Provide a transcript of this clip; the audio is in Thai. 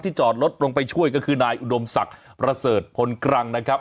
จอดรถลงไปช่วยก็คือนายอุดมศักดิ์ประเสริฐพลกรังนะครับ